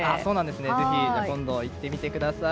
ぜひ、今度行ってみてください。